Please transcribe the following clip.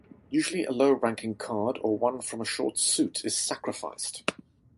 Usually a low-ranking card or one from a short suit is sacrificed.